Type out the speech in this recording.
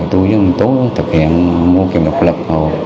tôi với một tối thực hiện mô kiểm độc lực